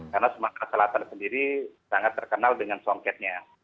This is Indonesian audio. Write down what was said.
karena sumatera selatan sendiri sangat terkenal dengan songketnya